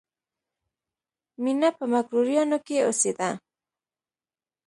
مینه په مکروریانو کې اوسېده